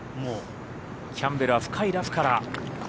キャンベルは深いラフから。